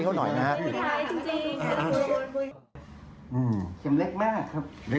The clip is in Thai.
ขอบคุณพี่ไทยที่ขอบคุณพี่ไทย